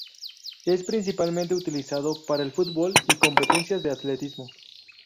Es principalmente utilizado para el fútbol y competencias de atletismo.